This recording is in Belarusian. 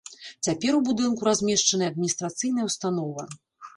Цяпер у будынку размешчаная адміністрацыйная ўстанова.